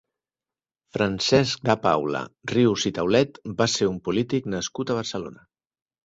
Francesc de Paula Rius i Taulet va ser un polític nascut a Barcelona.